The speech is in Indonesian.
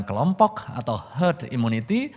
kelompok atau herd immunity